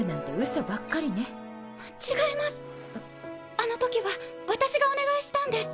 あのときは私がお願いしたんです。